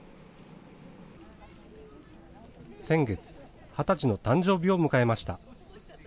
先月、二十歳の誕生日を迎えました。